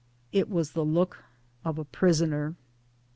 It was the look of a prisoner.